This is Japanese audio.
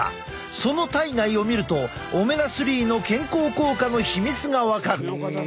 その体内を見るとオメガ３の健康効果の秘密が分かる。